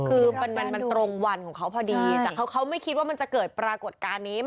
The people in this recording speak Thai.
คือมันตรงวันของเขาพอดีแต่เขาไม่คิดว่ามันจะเกิดปรากฏการณ์นี้